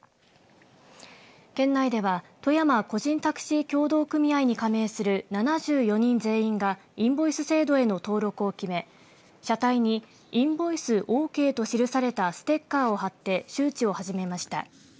県内では富山個人タクシー協同組合に加盟する７４人全員がインボイス制度の登録を決め車体にインボイスＯＫと記されたステッカーを貼って周知を始めました。